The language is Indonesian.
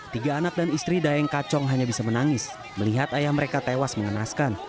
tiga anak dan istri daeng kacong hanya bisa menangis melihat ayah mereka tewas mengenaskan